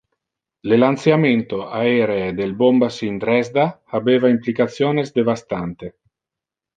Le lanceamento aeree del bombas in Dresda habeva implicationes devastante.